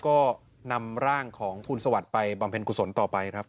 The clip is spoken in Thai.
ก็นำร่างของคุณสวัสดิ์ไปบำเพ็ญกุศลต่อไปครับ